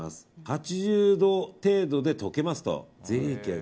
８０度程度で溶けますと。